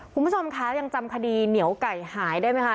คุณผู้ชมคะยังจำคดีเหนียวไก่หายได้ไหมคะ